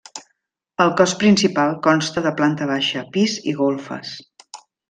El cos principal consta de planta baixa, pis i golfes.